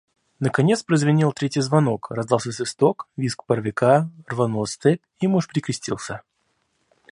Наконец прозвенел третий звонок, раздался свисток, визг паровика, рванулась цепь, и муж перекрестился.